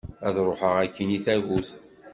Ad ruḥeγ akin i tagut.